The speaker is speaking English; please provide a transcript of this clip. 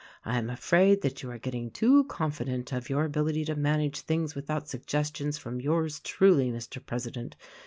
I am afraid that you are getting too confident of your ability to manage things without suggestions from yours truly, Mr. President.